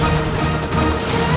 aku akan menangkanmu